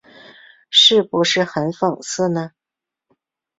是不是很讽刺呢？